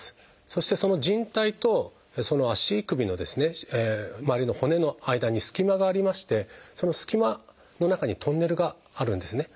そしてそのじん帯と足首の周りの骨の間に隙間がありましてその隙間の中にトンネルがあるんですね。